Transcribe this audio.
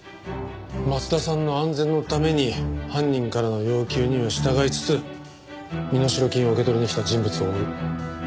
松田さんの安全のために犯人からの要求には従いつつ身代金を受け取りに来た人物を追う。